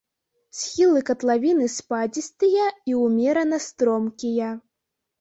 Схілы катлавіны спадзістыя і ўмерана стромкія.